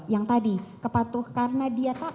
yang tadi kepatuh karena dia tak